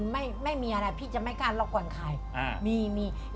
ไม่มีอะไรคุณจะไม่กล้าราบกวนใคร